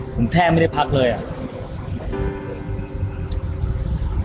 ผมแทบไม่ได้พักเลยอ่ะ